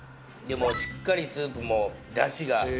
しっかりスープもダシが。